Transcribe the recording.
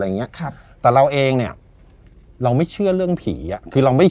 อย่างเงี้ครับแต่เราเองเนี้ยเราไม่เชื่อเรื่องผีอ่ะคือเราไม่